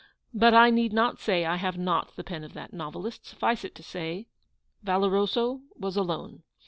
But I need not say I have NOT the pen of that novelist; suffice it to say, Valoroso was alone.